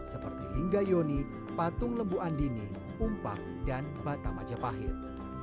seperti lingga yoni patung lembu andini umpak dan bata majapahit